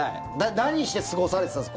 何して過ごされてたんですか？